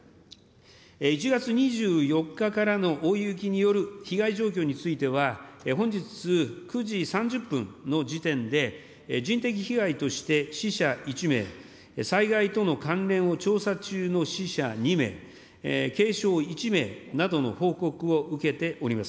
１月２４日からの大雪による被害状況については、本日９時３０分の時点で、人的被害として死者１名、災害との関連を調査中の死者２名、軽傷１名などの報告を受けております。